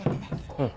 うん。